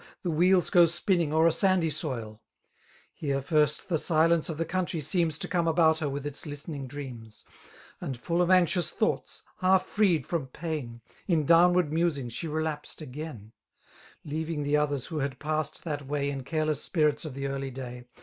The wheels go spinning o'er a sandy soSL Here first the silence of the country seems To come about her wi^ its listening dreams, And^ fuH of anxious thoughts, half freed from pain^ In downward musing she relapsed again, Leaving the others who had passed that way In careless spirits of the early day.